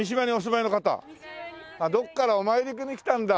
どこからかお参りに来たんだ。